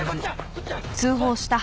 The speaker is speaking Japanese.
こっちゃ！